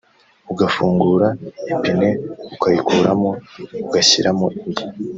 ugafungura ipine ukayikuramo ugashyiramo indi